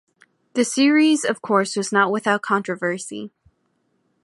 The series of course was not without controversy.